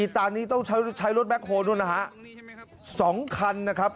ตอนนี้ต้องใช้รถแคคโฮลนู่นนะฮะ๒คันนะครับ